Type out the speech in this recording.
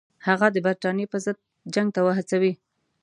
هغه د برټانیې پر ضد جنګ ته وهڅوي.